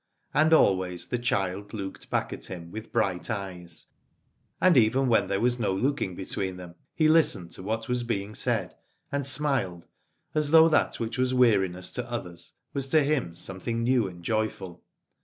And always the child looked back at him with bright eyes, and even when there was no looking between them, he listened to what was being said, and smiled as though that which was weariness to others was to him something new and joyful.